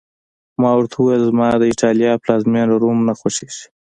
ما ورته وویل: زما د ایټالیا پلازمېنه، روم نه خوښېږي.